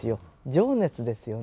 情熱ですよね。